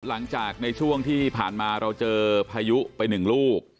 หลังจากในช่วงที่ผ่านมาเราเจอพายุไปหนึ่งลูก